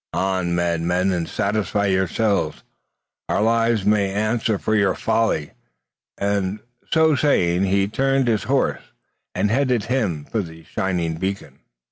"On, madmen, and satisfy yourselves our lives may answer for your folly!" and, so saying, he turned his horse, and headed him for the shining beacon.